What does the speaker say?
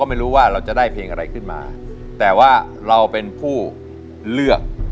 ไม่รู้ว่าเราจะได้เพลงอะไรขึ้นมาแต่ว่าเราเป็นผู้เลือก